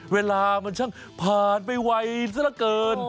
เวลามันช่างผ่านไปไวซะละเกิน